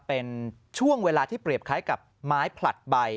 เป็นช่วงเวลาที่เปรียบคล้ายกับไม้ผลัดใบ